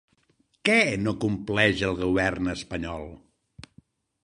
Què no compleix el govern espanyol?